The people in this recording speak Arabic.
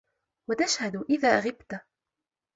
وَتَشْهَدُ إذَا غِبْتَ